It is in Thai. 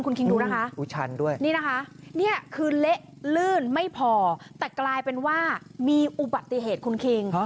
คุณคิงดูนะคะนี่นะคะนี่คือเละลื่นไม่พอแต่กลายเป็นว่ามีอุบัติเหตุคุณคิง